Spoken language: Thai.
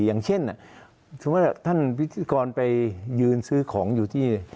อย่างเช่นถึงว่าท่านพฤติกรไปยืนซื้อของอยู่ที่